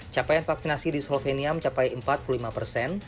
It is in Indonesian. capaian vaksinasi di slovenia mencapai empat puluh lima persen